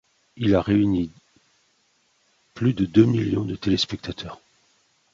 Il a réuni plus de deux millions de téléspectateurs.